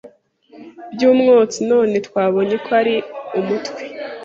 byumwotsinone twabonye ko ari umutwe